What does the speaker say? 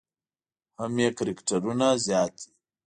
هم یې کرکټرونه زیات دي.